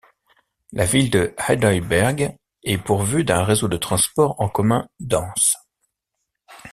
La ville de Heidelberg est pourvue d'un réseau de transports en commun dense.